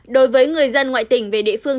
đối với người dân ngoại tỉnh về địa phương